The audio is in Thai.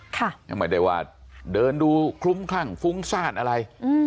ยังไม่ได้ว่าเดินดูคลุ้มคลั่งฟุ้งซ่านอะไร